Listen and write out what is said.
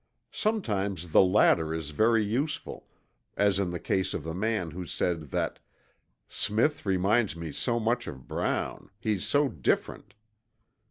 Sometimes the latter is very useful, as in the case of the man who said that "Smith reminds me so much of Brown he's so different."